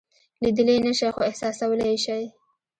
لیدلی یې نشئ خو احساسولای یې شئ.